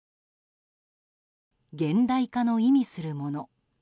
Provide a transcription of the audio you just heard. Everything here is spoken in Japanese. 現代化の意味するもの。